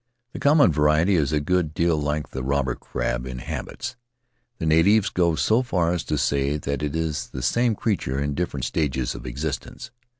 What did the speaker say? The common variety is a good deal like the robber crab in habits; the natives go so far as to say that it is the same creature, in different stages of its existence.